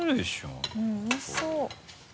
うんおいしそう。